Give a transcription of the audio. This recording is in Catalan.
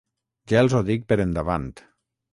Ja els ho dic per endavant.